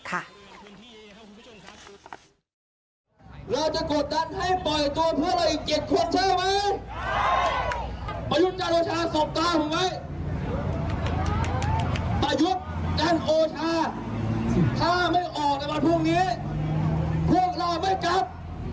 สบตาผมไว้ประยุทธ์จังโรชาถ้าไม่ออกแต่ว่าพวกนี้พวกเราไม่กลับ